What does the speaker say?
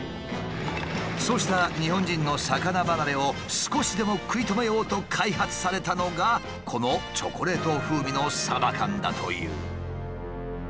そうした日本人の魚離れを少しでも食い止めようと開発されたのがこのチョコレート風味のサバ缶だという。